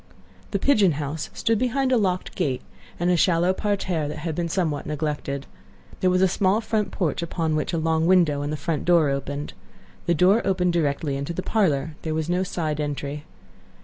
The "pigeon house" stood behind a locked gate, and a shallow parterre that had been somewhat neglected. There was a small front porch, upon which a long window and the front door opened. The door opened directly into the parlor; there was no side entry.